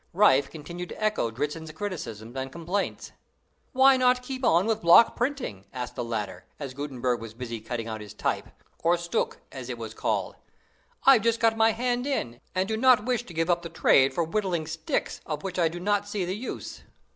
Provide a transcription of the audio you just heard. Riffe continued to echo Dritzhn's criticisms and complaints. "Why not keep on with block printing?" asked the latter, as Gutenberg was busy cutting out his type, or stucke as it was called. "I've just got my hand in, and do not wish to give up the trade for whittling sticks, of which I do not see the use."